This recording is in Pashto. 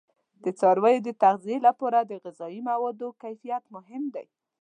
د څارویو د تغذیه لپاره د غذایي موادو کیفیت مهم دی.